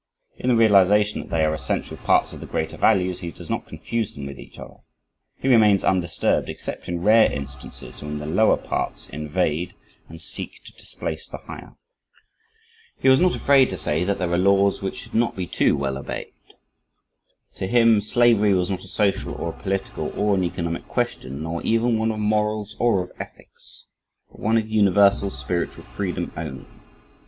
In the realization that they are essential parts of the greater values, he does not confuse them with each other. He remains undisturbed except in rare instances, when the lower parts invade and seek to displace the higher. He was not afraid to say that "there are laws which should not be too well obeyed." To him, slavery was not a social or a political or an economic question, nor even one of morals or of ethics, but one of universal spiritual freedom only.